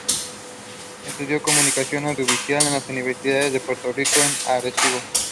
Estudió comunicación audiovisual en la Universidad de Puerto Rico en Arecibo.